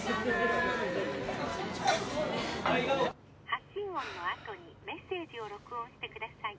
「発信音のあとにメッセージを録音してください」